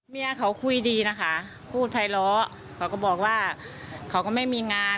แล้วแฟนเขาก็ออกก็ทำตามเมียเขา